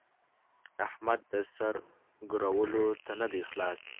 احمد د سر ګرولو ته نه دی خلاص.